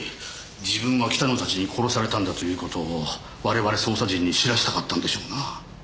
自分が北野たちに殺されたんだという事を我々捜査陣に知らせたかったんでしょうなぁ。